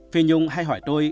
phi nhung hay hỏi tôi